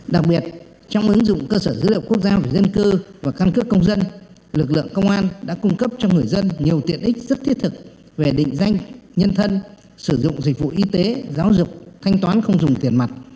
đặc biệt trong ứng dụng cơ sở dữ liệu quốc gia về dân cư và căn cước công dân lực lượng công an đã cung cấp cho người dân nhiều tiện ích rất thiết thực về định danh nhân thân sử dụng dịch vụ y tế giáo dục thanh toán không dùng tiền mặt